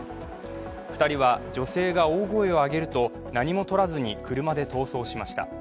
２人は女性が大声を上げると何もとらずに車で逃走しました。